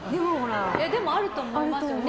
でも、あると思いますよね。